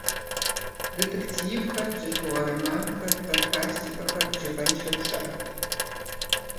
Детективхэр, бзылъхугъэ романхэр, фантастикэхэр бжыгъэншэу щыӏэт.